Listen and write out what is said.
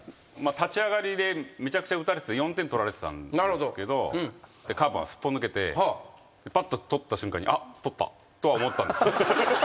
立ち上がりでめちゃくちゃ打たれて４点取られてたんですけどカーブがすっぽ抜けてぱっと捕った瞬間に。とは思ったんです。